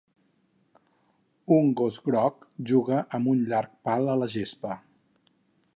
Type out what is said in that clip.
Un gos groc juga amb un llarg pal a la gespa.